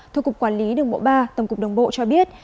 thuộc cục quản lý đồng bộ ba tổng cục đồng bộ cho biết